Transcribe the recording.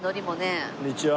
こんにちは。